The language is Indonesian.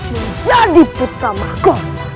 menjadi putra mahkamah